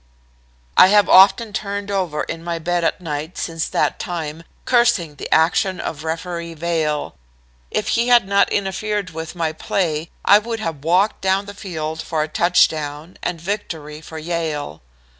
I have often turned over in my bed at night since that time, cursing the action of Referee Vail. If he had not interfered with my play I would have walked down the field for a touchdown and victory for Yale.